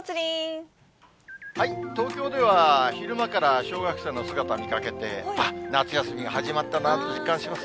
東京では、昼間から小学生の姿見かけて、あっ、夏休みが始まったなと実感します。